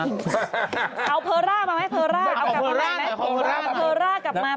เอาเพอร์ร่ามาไหมเพอร์ร่าเอากลับมาแม่งไหม